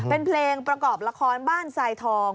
เป็นเพลงประกอบละครบ้านทรายทอง